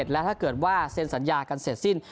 และถ้าเกิดว่าเซ็นสัญญากันเสร็จสิ้น